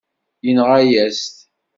Yenɣa-yas-t.